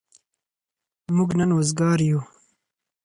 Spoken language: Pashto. موږ نن وزگار يو.